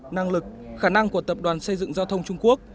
năng lực khả năng của tập đoàn xây dựng giao thông trung quốc